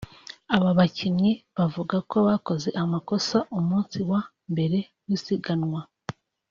Aba bakinnyi bavuga ko bakoze amakosa umunsi wa mbere w’isiganwa